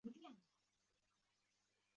服务器出现异常